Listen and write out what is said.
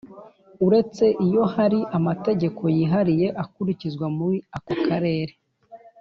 uretse iyo hari amategeko yihariye akurikizwa muri ako karere